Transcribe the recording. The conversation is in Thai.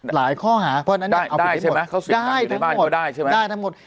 ข้อหาเพราะฉะนั้นได้เอาได้ใช่ไหมได้ทั้งหมดได้ทั้งหมด